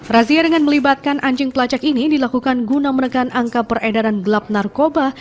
razia dengan melibatkan anjing pelacak ini dilakukan guna menekan angka peredaran gelap narkoba